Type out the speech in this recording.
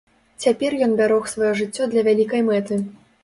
Цяпер ён бярог сваё жыццё для вялікай мэты.